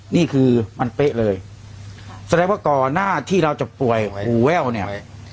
นี่คือมันเป๊ะเลยแสดงว่าก่อนหน้าที่เราจะป่วยหูแว่วเนี่ย